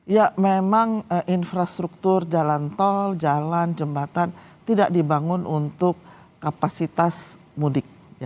ya memang infrastruktur jalan tol jalan jembatan tidak dibangun untuk kapasitas mudik